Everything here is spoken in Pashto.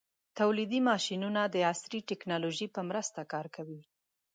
تولیدي ماشینونه د عصري ټېکنالوژۍ په مرسته کار کوي.